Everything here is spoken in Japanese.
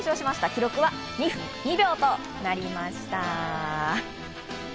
記録は２分２秒となりました。